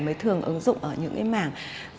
mới thường ứng dụng ở những cái mảng